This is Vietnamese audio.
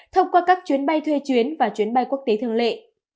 thông qua các chuyến bay thuê chuyến và chuyến bay quốc tế thường lệ